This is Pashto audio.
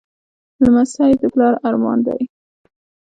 لمسی د پلار ارمان دی.